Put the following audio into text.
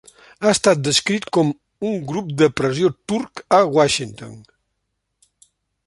Ha estat descrit com "un 'grup de pressió turc' a Washington".